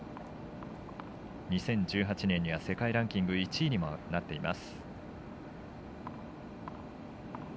２０１８年には世界ランキング１位にもなっています。